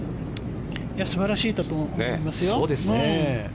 素晴らしいと思いますよ。